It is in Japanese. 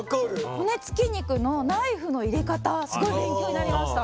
骨つき肉のナイフの入れ方すごい勉強になりました。